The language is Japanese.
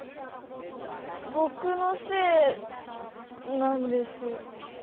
ぼくのせいなんです。